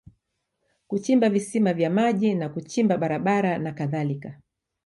Kuchimba visima vya maji na kuchimba barabara na kadhalika